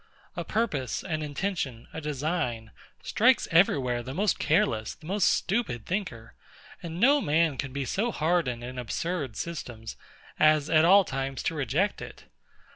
A purpose, an intention, a design, strikes every where the most careless, the most stupid thinker; and no man can be so hardened in absurd systems, as at all times to reject it.